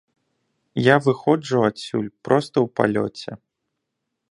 Я выходжу адсюль проста ў палёце.